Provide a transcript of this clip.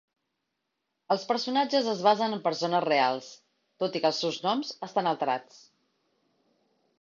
Els personatges es basen en persones reals, tot i que els seus noms estan alterats.